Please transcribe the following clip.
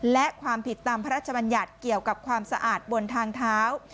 และความผิดตามพระราชบัญญัติเกี่ยวกับความสะอาดบนทางเท้า